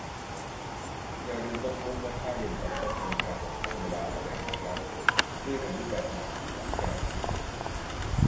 อย่าลืมพกร่มและหาผ้าเย็นประคบนาฬิกาของท่านเวลาออกแดดนะครับ ยืดอายุแบตหน่อย ของแพงอ่ะ